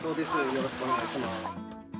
よろしくお願いします。